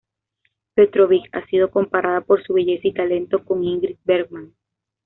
Petrovic ha sido comparada por su belleza y talento con Ingrid Bergman.